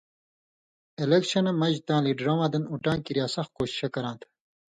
الیکشنہ مژ تاں لیڈرہ واں دن اُٹاں کریا سخ کوشیشہ کراں تھہ۔